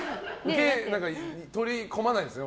取り込まないんですね。